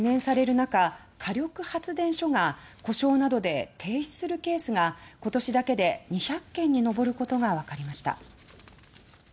中火力発電所が故障などで停止するケースが今年だけで２００件に上ることが分かりました。